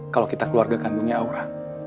kalau kita keluarga kandungnya aura